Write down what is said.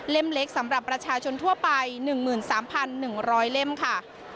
เล็กสำหรับประชาชนทั่วไป๑๓๑๐๐เล่มค่ะ